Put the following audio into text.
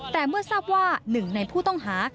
แต่เมื่อทราบว่าหนึ่งในผู้ต้องหา